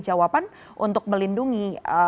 jawaban untuk melindungi